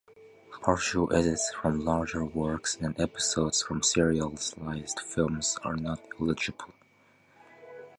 Partial edits from larger works and episodes from serialized films are not eligible.